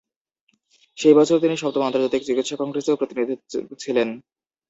সেই বছর তিনি সপ্তম আন্তর্জাতিক চিকিৎসা কংগ্রেসেও প্রতিনিধি ছিলেন।